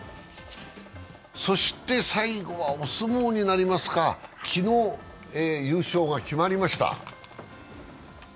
そして最後はお相撲になりますか、昨日、優勝が決まりました。